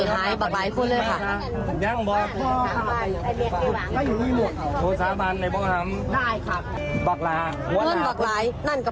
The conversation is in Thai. ตอนนี้เราเจอผู้ตอบสงสัยนะฮะ